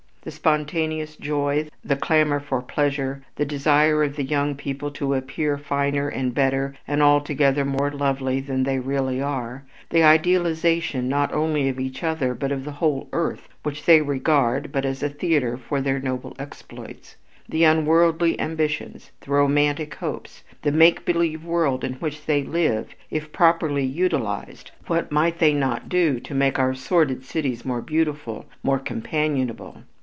The spontaneous joy, the clamor for pleasure, the desire of the young people to appear finer and better and altogether more lovely than they really are, the idealization not only of each other but of the whole earth which they regard but as a theater for their noble exploits, the unworldly ambitions, the romantic hopes, the make believe world in which they live, if properly utilized, what might they not do to make our sordid cities more beautiful, more companionable?